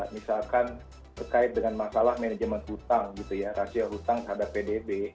misalkan terkait dengan masalah manajemen hutang gitu ya rasio hutang terhadap pdb